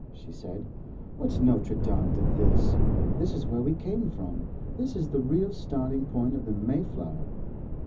she said. 'What's Notre Dame to this? This is where we came from. This is the real starting point of the MAYFLOWER.